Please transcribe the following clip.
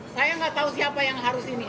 saya gak tau siapa yang harus ini